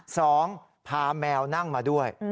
สองพาแมวนั่งมาด้วย